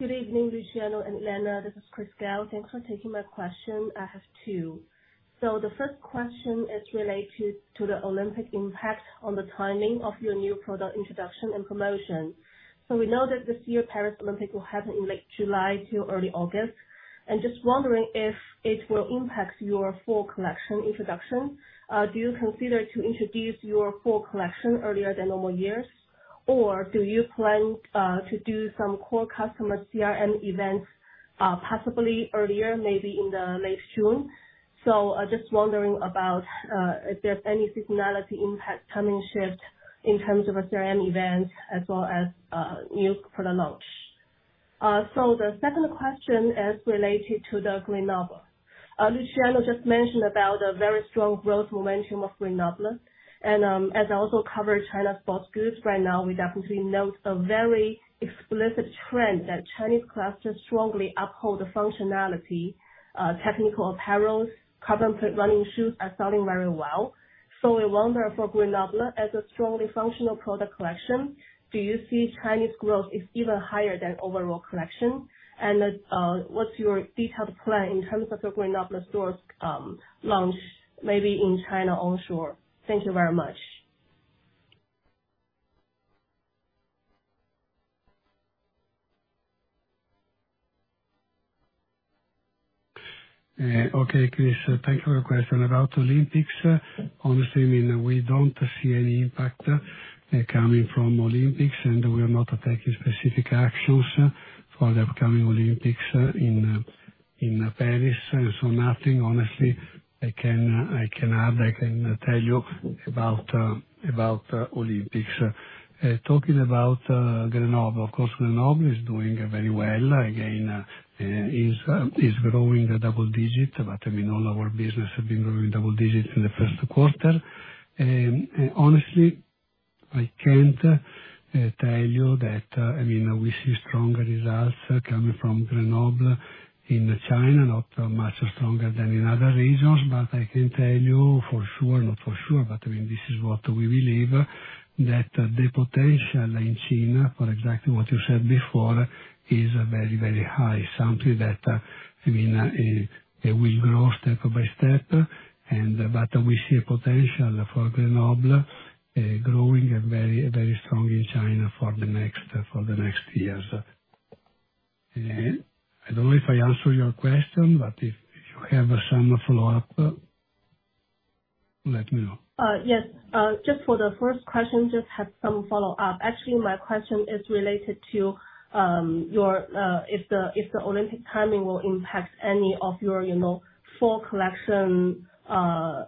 Good evening, Luciano and Elena. This is Chris Gao. Thanks for taking my question. I have two. The first question is related to the Olympic impact on the timing of your new product introduction and promotion. We know that this year Paris Olympics will happen in late July till early August, and just wondering if it will impact your full collection introduction. Do you consider to introduce your full collection earlier than normal years, or do you plan to do some core customer CRM events possibly earlier, maybe in late June? Just wondering about if there's any seasonality impact, timing shift in terms of a CRM event as well as new product launch. The second question is related to the Grenoble. Luciano just mentioned about a very strong growth momentum of Grenoble. As I also covered China sports goods right now, we definitely note a very explicit trend that Chinese clusters strongly uphold the functionality, technical apparels, carbon plate running shoes are selling very well. So I wonder for Grenoble, as a strongly functional product collection, do you see Chinese growth is even higher than overall collection? What's your detailed plan in terms of your Grenoble stores launch maybe in China onshore? Thank you very much. Okay, Chris. Thank you for your question. About Olympics, honestly, I mean, we don't see any impact coming from Olympics, and we are not taking specific actions for the upcoming Olympics in Paris. So nothing, honestly, I can add, I can tell you about Olympics. Talking about Grenoble, of course, Grenoble is doing very well. Again, it's growing double digit, but I mean, all our business has been growing double digit in the first quarter. Honestly, I can't tell you that, I mean, we see stronger results coming from Grenoble in China, not much stronger than in other regions. But I can tell you for sure, not for sure, but I mean, this is what we believe, that the potential in China, for exactly what you said before, is very, very high, something that, I mean, will grow step by step. But we see a potential for Grenoble growing very, very strong in China for the next years. I don't know if I answered your question, but if you have some follow-up, let me know. Yes. Just for the first question, just have some follow-up. Actually, my question is related to if the Olympic timing will impact any of your full collection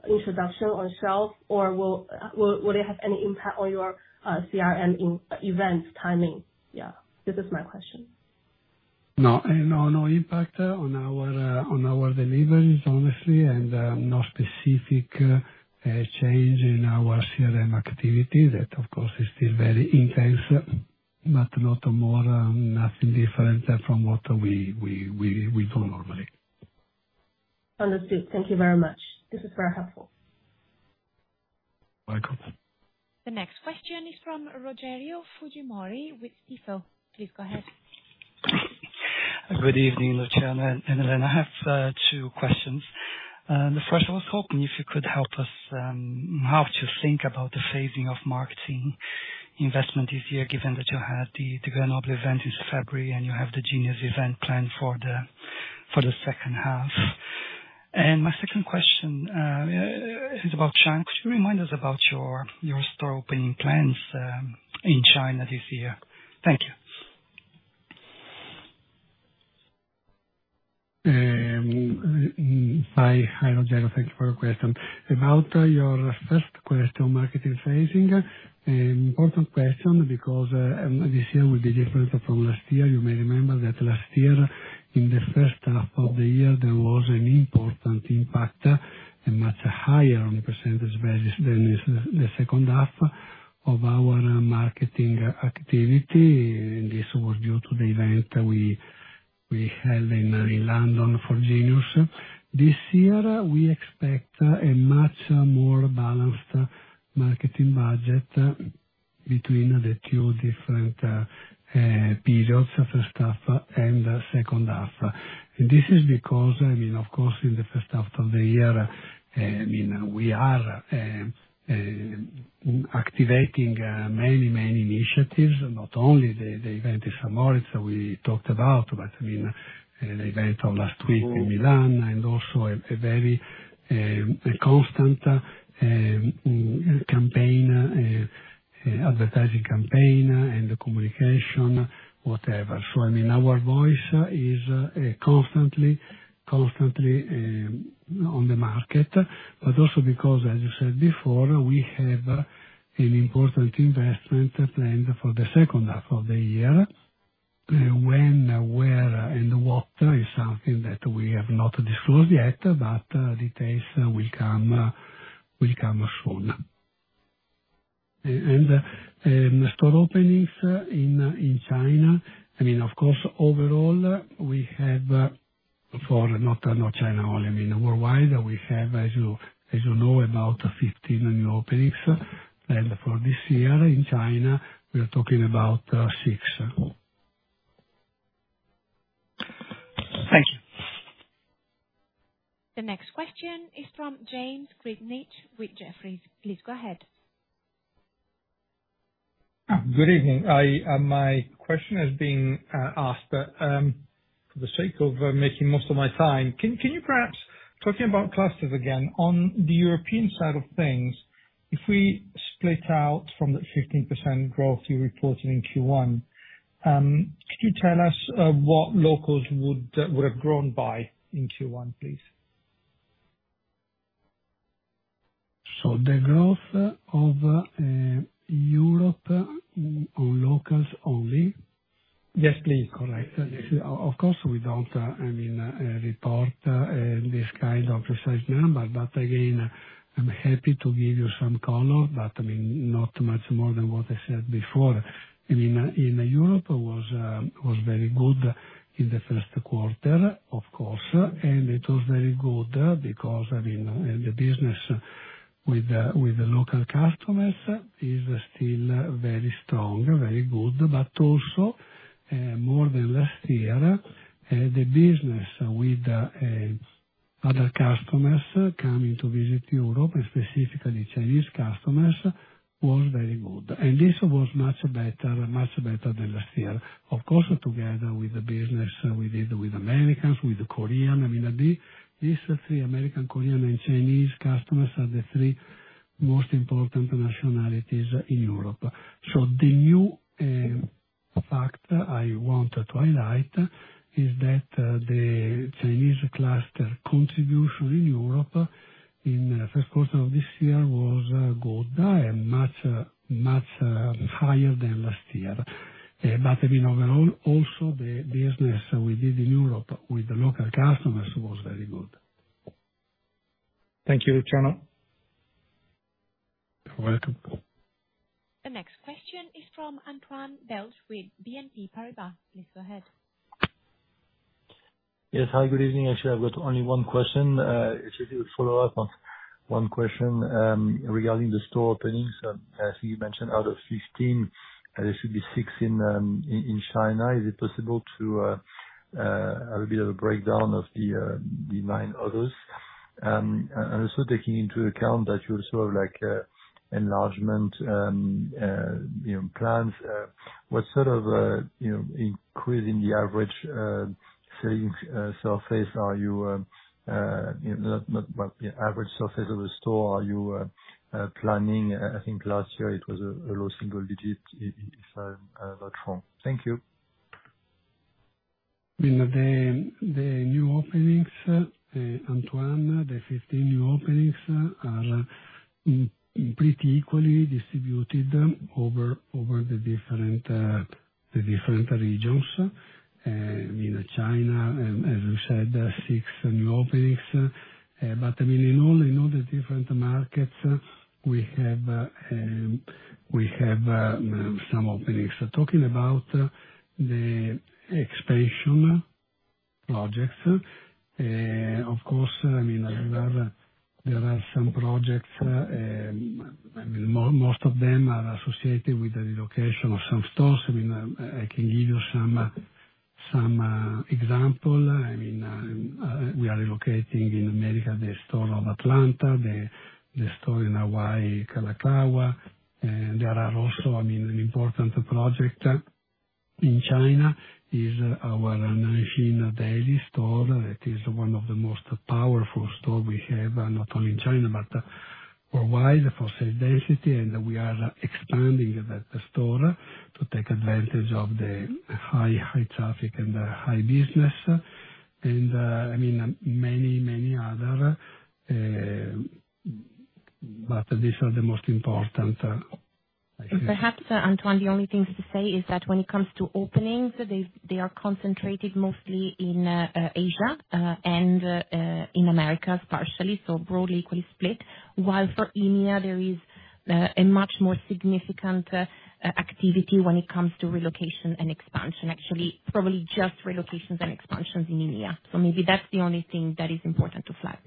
introduction on shelf, or will it have any impact on your CRM event timing? Yeah. This is my question. No, no impact on our deliveries, honestly, and no specific change in our CRM activity that, of course, is still very intense, but not more, nothing different from what we do normally. Understood. Thank you very much. This is very helpful. Welcome. The next question is from Rogério Fujimori with Stifel. Please go ahead. Good evening, Luciano and Elena. I have two questions. The first, I was hoping if you could help us, how to think about the phasing of marketing investment this year, given that you had the Grenoble event in February and you have the Genius event planned for the second half. My second question is about China. Could you remind us about your store opening plans in China this year? Thank you. Hi, Rogério. Thank you for your question. About your first question, marketing phasing, important question because this year will be different from last year. You may remember that last year, in the first half of the year, there was an important impact and much higher on percentage basis than in the second half of our marketing activity. This was due to the event we held in London for Genius. This year, we expect a much more balanced marketing budget between the two different periods, first half and second half. And this is because, I mean, of course, in the first half of the year, I mean, we are activating many, many initiatives, not only the event in St. Moritz that we talked about, but I mean, the event of last week in Milan and also a very constant advertising campaign and communication, whatever. So I mean, our voice is constantly on the market, but also because, as you said before, we have an important investment planned for the second half of the year. When, where, and what is something that we have not disclosed yet, but details will come soon. Store openings in China, I mean, of course, overall, we have for not China only, I mean, worldwide, we have, as you know, about 15 new openings. For this year in China, we are talking about 6. Thank you. The next question is from James Grzinic with Jefferies. Please go ahead. Good evening. My question has been asked for the sake of making most of my time. Can you perhaps talk about clusters again? On the European side of things, if we split out from the 15% growth you reported in Q1, could you tell us what locals would have grown by in Q1, please? The growth of Europe on locals only? Yes, please. Correct. Of course, we don't, I mean, report this kind of precise number, but again, I'm happy to give you some color, but I mean, not much more than what I said before. I mean, in Europe, it was very good in the first quarter, of course, and it was very good because, I mean, the business with the local customers is still very strong, very good. But also more than last year, the business with other customers coming to visit Europe, and specifically Chinese customers, was very good. And this was much better than last year. Of course, together with the business we did with Americans, with Korean, I mean, these three: American, Korean, and Chinese customers are the three most important nationalities in Europe. The new fact I want to highlight is that the Chinese cluster contribution in Europe in the first quarter of this year was good and much higher than last year. I mean, overall, also the business we did in Europe with the local customers was very good. Thank you, Luciano. You're welcome. The next question is from Antoine Belge with BNP Paribas. Please go ahead. Yes. Hi. Good evening. Actually, I've got only one question. It's really a follow-up on one question regarding the store openings. As you mentioned, out of 15, there should be 6 in China. Is it possible to have a bit of a breakdown of the 9 others? And also taking into account that you also have enlargement plans, what sort of increase in the average selling surface are you planning for the average surface of the store? I think last year it was a low single digit, if I'm not wrong. Thank you. I mean, the new openings, Antoine, the 15 new openings are pretty equally distributed over the different regions. I mean, China, as you said, six new openings. But I mean, in all the different markets, we have some openings. Talking about the expansion projects, of course, I mean, there are some projects, I mean, most of them are associated with the relocation of some stores. I mean, I can give you some example. I mean, we are relocating in America the store of Atlanta, the store in Hawaii, Kalakaua. There are also, I mean, an important project in China is our Nanjing store that is one of the most powerful stores we have, not only in China, but worldwide for sales density. And we are expanding that store to take advantage of the high traffic and high business. And I mean, many, many other. But these are the most important, I feel. Perhaps, Antoine, the only thing to say is that when it comes to openings, they are concentrated mostly in Asia and in America partially, so broadly equally split, while for EMEA, there is a much more significant activity when it comes to relocation and expansion, actually probably just relocations and expansions in EMEA. So maybe that's the only thing that is important to flag.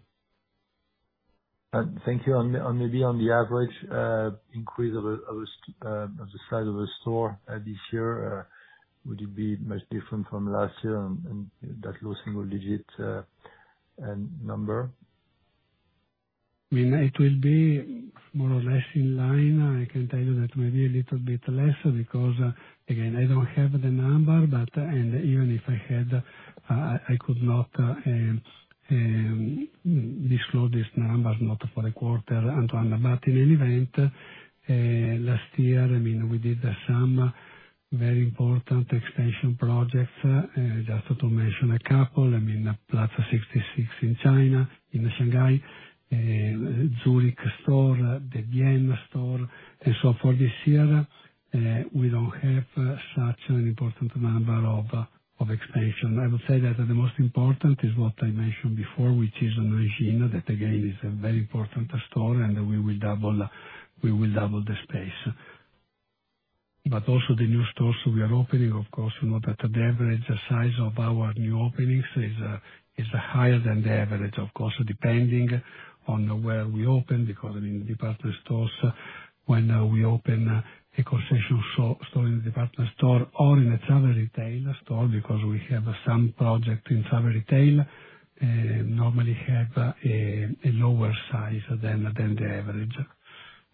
Thank you. Maybe on the average increase of the size of a store this year, would it be much different from last year and that low single-digit number? I mean, it will be more or less in line. I can tell you that maybe a little bit less because, again, I don't have the number, and even if I had, I could not disclose these numbers not for the quarter, Antoine. But in any event, last year, I mean, we did some very important expansion projects, just to mention a couple. I mean, Plaza 66 in China, in Shanghai, Zurich store, the Vienna store, and so forth. This year, we don't have such an important number of expansion. I would say that the most important is what I mentioned before, which is Nanjing, that again is a very important store, and we will double the space. But also the new stores we are opening, of course, you know that the average size of our new openings is higher than the average, of course, depending on where we open because, I mean, department stores, when we open a concession store in a department store or in a travel retail store because we have some project in travel retail, normally have a lower size than the average.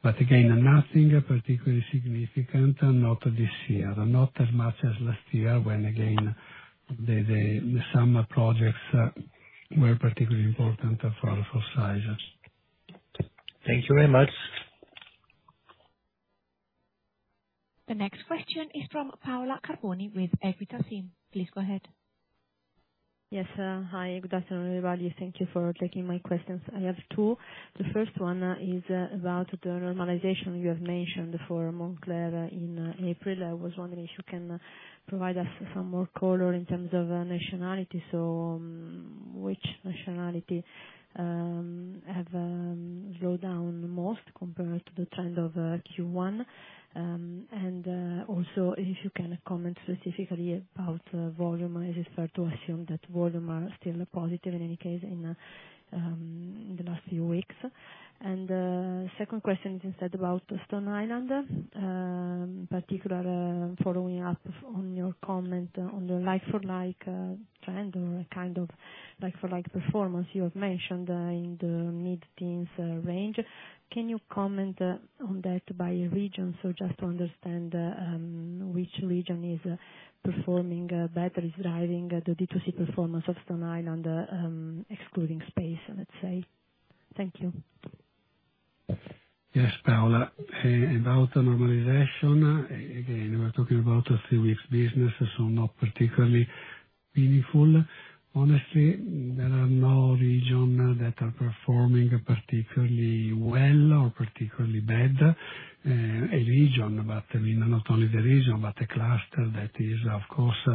But again, nothing particularly significant, not this year, not as much as last year when, again, some projects were particularly important for size. Thank you very much. The next question is from Paola Carboni with Equita SIM. Please go ahead. Yes. Hi. Good afternoon, everybody. Thank you for taking my questions. I have two. The first one is about the normalization you have mentioned for Moncler in April. I was wondering if you can provide us some more color in terms of nationalities. So which nationalities have slowed down most compared to the trend of Q1? And also if you can comment specifically about volume. Is it fair to assume that volumes are still positive in any case in the last few weeks? And the second question is instead about Stone Island, particularly following up on your comment on the like-for-like trend or a kind of like-for-like performance you have mentioned in the mid-teens range. Can you comment on that by region so just to understand which region is performing better, is driving the D2C performance of Stone Island excluding ASP, let's say? Thank you. Yes, Paola. About the normalization, again, we're talking about a few weeks' business, so not particularly meaningful. Honestly, there are no regions that are performing particularly well or particularly bad. A region, but I mean, not only the region, but a cluster that is, of course,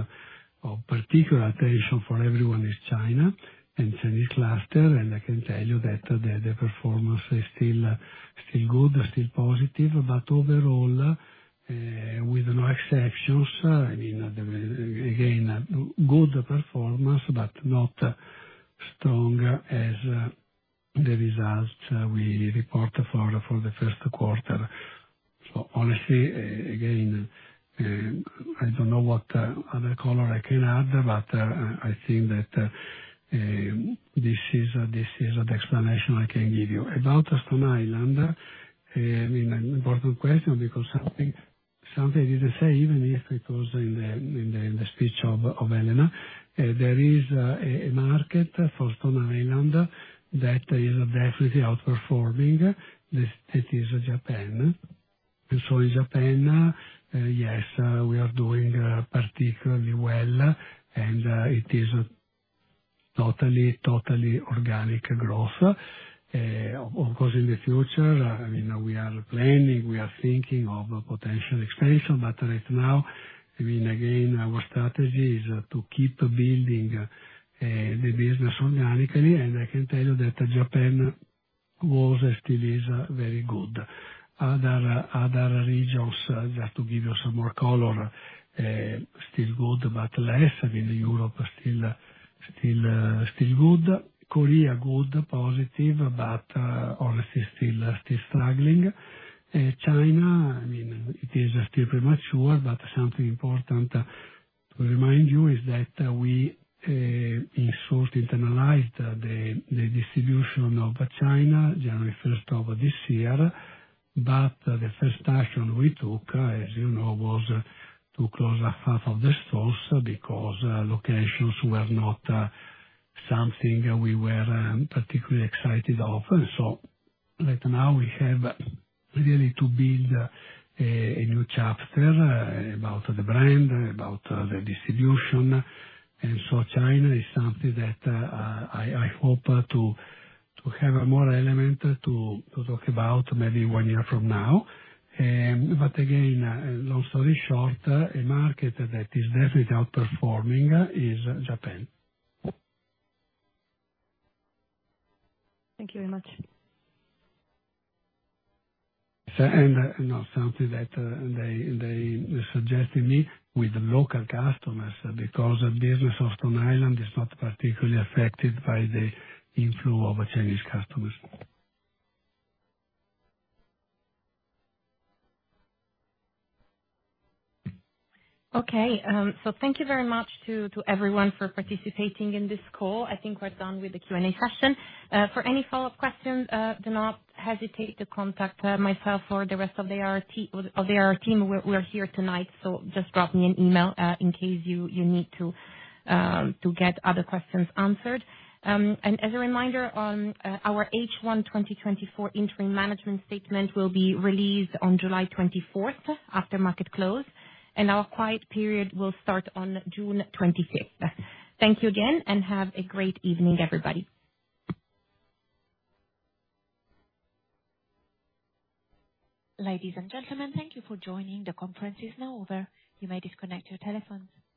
of particular attention for everyone is China and Chinese cluster. And I can tell you that the performance is still good, still positive. But overall, with no exceptions, I mean, again, good performance, but not strong as the results we report for the first quarter. So honestly, again, I don't know what other color I can add, but I think that this is the explanation I can give you. About Stone Island, I mean, important question because something I didn't say, even if it was in the speech of Elena, there is a market for Stone Island that is definitely outperforming. That is Japan. And so in Japan, yes, we are doing particularly well, and it is totally, totally organic growth. Of course, in the future, I mean, we are planning, we are thinking of potential expansion. But right now, I mean, again, our strategy is to keep building the business organically. And I can tell you that Japan was and still is very good. Other regions, just to give you some more color, still good, but less. I mean, Europe, still good. Korea, good, positive, but honestly, still struggling. China, I mean, it is still premature. But something important to remind you is that we sort of internalized the distribution in China on January 1st of this year. But the first action we took, as you know, was to close half of the stores because locations were not something we were particularly excited about. So right now, we have really to build a new chapter about the brand, about the distribution. China is something that I hope to have more elements to talk about maybe one year from now. Again, long story short, a market that is definitely outperforming is Japan. Thank you very much. And no, something that they suggested me with local customers because the business of Stone Island is not particularly affected by the influx of Chinese customers. Okay. Thank you very much to everyone for participating in this call. I think we're done with the Q&A session. For any follow-up questions, do not hesitate to contact myself or the rest of the IR team. We're here tonight, so just drop me an email in case you need to get other questions answered. As a reminder, our H1 2024 interim management statement will be released on July 24th after market close. Our quiet period will start on June 25th. Thank you again and have a great evening, everybody. Ladies and gentlemen, thank you for joining. The conference is now over. You may disconnect your telephones.